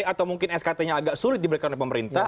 atau mungkin skt nya agak sulit diberikan oleh pemerintah